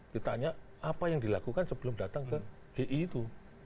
ditanya apa yang dilakukan sebelum datang ke di itu